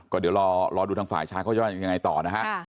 ก็เดี๋ยวรอดูทางฝ่ายชายเขาจะว่ายังไงต่อนะฮะ